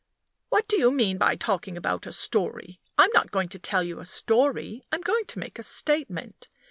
"What do you mean by talking about a story? I'm not going to tell you a story; I'm going to make a statement.